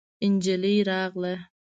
نجلۍ راغله.